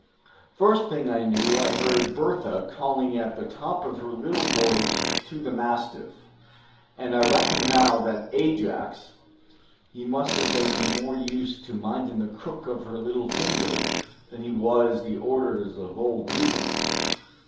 First thing I knew I heard Bertha calling at the top of her little voice to the mastiff. And I reckon now that Ajax, he must have been more used to mindin' the crook of her little finger than he was the orders of Old Reuben.